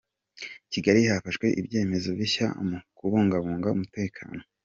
Kigali Hafashwe ibyemezo bishya mu kubungabunga umutekano